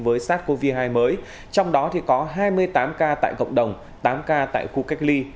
với sars cov hai mới trong đó có hai mươi tám ca tại cộng đồng tám ca tại khu cách ly